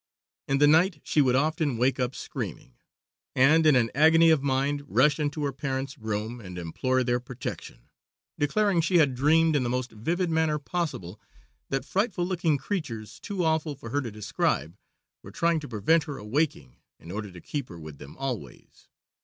In the night she would often wake up screaming, and in an agony of mind rush into her parents' room and implore their protection, declaring she had dreamed in the most vivid manner possible that frightful looking creatures, too awful for her to describe, were trying to prevent her awaking in order to keep her with them always.